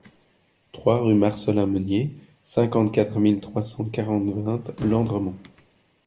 trois rue Marcellin Munier, cinquante-quatre mille trois cent quatre-vingts Landremont